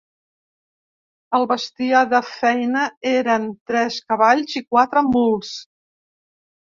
El bestiar de feina eren tres cavalls i quatre muls.